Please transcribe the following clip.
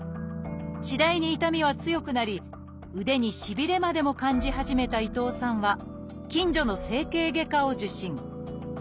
次第に痛みは強くなり腕にしびれまでも感じ始めた伊藤さんは近所の整形外科を受診。